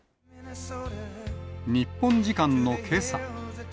日本時間のけさ。